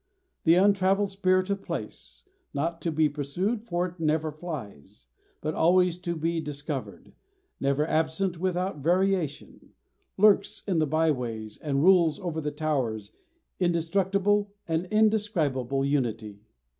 The untravelled spirit of place not to be pursued, for it never flies, but always to be discovered, never absent, without variation lurks in the by ways and rules over the towers, indestructible, an indescribable unity.